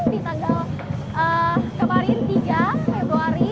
di tanggal kemarin tiga februari